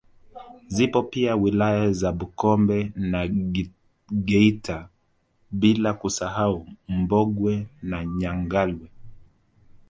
Zipo pia wilaya za Bukombe na Geita bila kusahau Mbogwe na Nyangwale